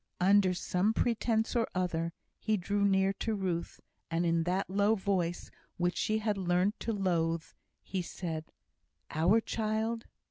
Under some pretence or other, he drew near to Ruth; and in that low voice, which she had learnt to loathe, he said, "Our child!"